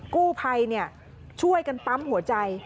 กู้ภัยช่วยกันปั๊มหัวใจ